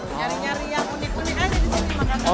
nyari nyari yang unik unik aja di sini makasih